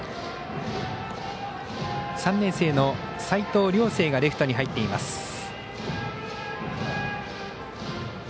３年生の齊藤亮成がレフトに入っています。